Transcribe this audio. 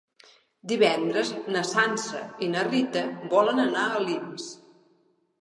Divendres na Sança i na Rita volen anar a Alins.